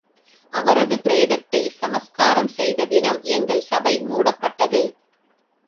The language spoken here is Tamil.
அவரது பிரேதத்தைச் சம்ஸ்காரம் செய்த தினம் எங்கள் சபை மூடப்பட்டது.